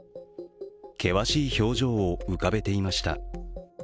険しい表情を浮かべていました。